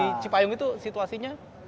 di cipayung itu situasinya